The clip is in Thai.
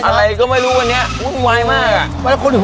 อะไรก็ไม่รู้ตอนนี้